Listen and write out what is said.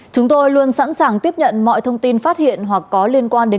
chúng tôi luôn sẵn sàng tiếp nhận mọi thông tin phát hiện hoặc có liên quan đến